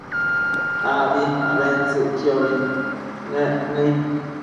abi abentsëcquiobi nec nëid